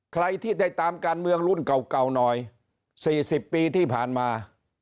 ใครที่ได้ตามการเมืองรุ่นเก่าหน่อย๔๐ปีที่ผ่านมา